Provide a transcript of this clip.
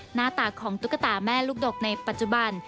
หน้าตาของตุ๊กตาแม่ลูกดกในปัจจุบัน